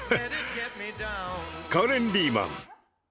カレン・リーマン？